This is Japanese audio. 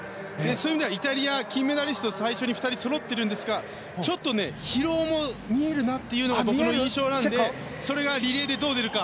そういう意味ではイタリア、金メダリスト最初に２人そろっているんですがちょっと疲労も見えるなというのが僕も予想なのでそれがリレーでどう出るか。